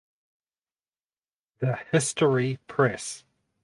The History Press.